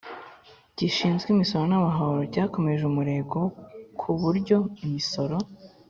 gishinzwe Imisoro n Amah ro cyakomeje umurego ku buryo Imisoro